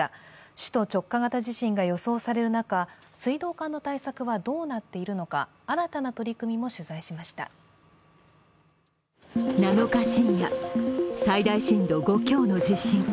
首都直下地震が予想される中、水道管の対策はどうなっているのか、新たな取り組みも取材しました７日深夜、最大震度５強の地震。